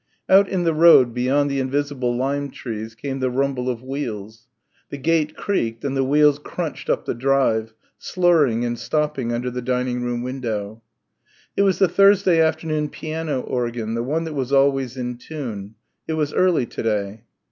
Out in the road beyond the invisible lime trees came the rumble of wheels. The gate creaked and the wheels crunched up the drive, slurring and stopping under the dining room window. It was the Thursday afternoon piano organ, the one that was always in tune. It was early to day.